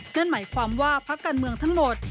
นั่นหมายความว่าพักการเมืองทั้งหมด